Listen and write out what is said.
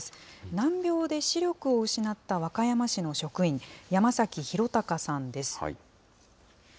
難病で視力を失った和歌山市の職員、山崎浩敬さんです。